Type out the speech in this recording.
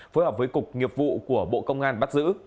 phối hợp với cục nghiệp vụ của bộ công an bắt giữ